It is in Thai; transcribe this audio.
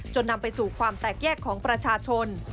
นำไปสู่ความแตกแยกของประชาชน